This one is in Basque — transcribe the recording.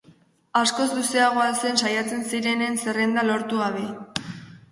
Askoz luzeagoa zen saiatzen zirenen zerrenda, lortu gabe.